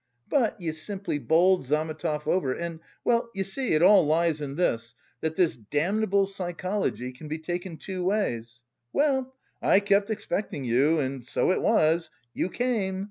But you simply bowled Zametov over and... well, you see, it all lies in this that this damnable psychology can be taken two ways! Well, I kept expecting you, and so it was, you came!